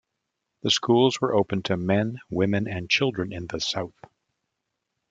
The schools were open to men, women, and children in the South.